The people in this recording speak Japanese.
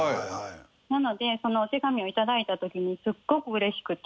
なのでそのお手紙をいただいたときにすっごくうれしくて。